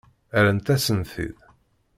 Rrant-asen-t-id.